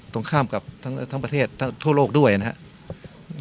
ตรงข้ามกับทั้งประเทศทั่วโลกด้วยนะครับ